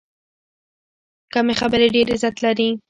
کمې خبرې، ډېر عزت لري.